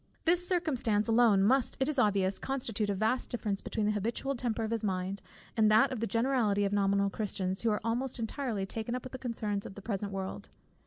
This circumstance alone must, it is obvious, constitute a vast difference between the habitual temper of his mind, and that of the generality of nominal Christians, who are almost entirely taken up with the concerns of the present world.